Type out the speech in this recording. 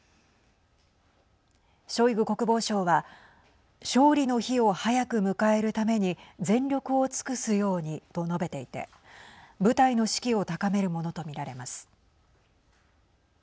ショイグ国防相は勝利の日を早く迎えるために全力を尽くすようにと述べていて部隊の士気を高めるものと見られます。